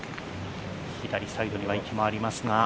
左サイドには池もありますが。